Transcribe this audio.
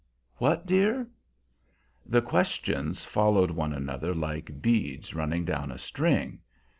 What, dear?" The questions followed one another like beads running down a string.